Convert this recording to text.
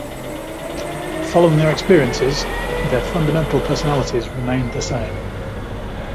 Following their experiences, their fundamental personalities remained the same.